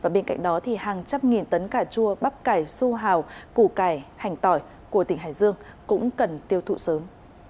bên cạnh đó hàng trăm nghìn tấn cà chua bắp cải su hào củ cải hành tỏi của tỉnh hải dương cũng cần tiêu thụ sớm